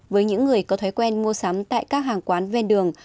với những người có thói quen mua sắm tại các hàng quán ven đường